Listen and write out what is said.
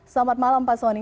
selamat malam pak sony